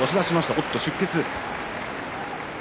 おっと出血。